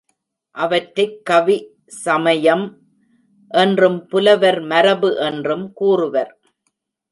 அவற்றைக் கவி ஸமயம் என்றும் புலவர் மரபு என்றும் கூறுவர்.